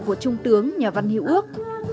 của trung tướng nhà văn hữu ước